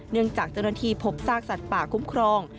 เนื่องจากเจ้าหน้าที่พบสร้างสัตว์ป่าคุ้มครอง